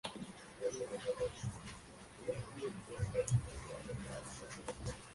El ministerio de Vivienda, Construcción y Saneamiento prometió ayudar económicamente a los afectados.